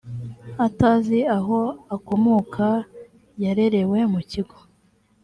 atazi aho akomoka yarerewe mu kigo